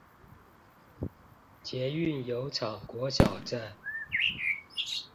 捷運油廠國小站